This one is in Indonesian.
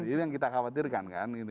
itu yang kita khawatirkan kan